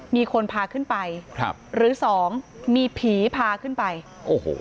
มีคนพาขึ้นไปครับหรือสองมีผีพาขึ้นไปโอ้โห